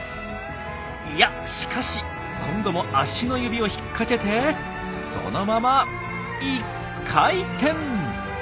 いやしかし今度も足の指を引っ掛けてそのまま１回転。